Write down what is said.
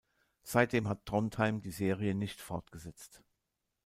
Seitdem hat Trondheim die Serie nicht fortgesetzt.